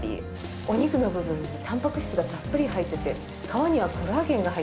お肉の部分にタンパク質がたっぷり入ってて皮にはコラーゲンが入ってる。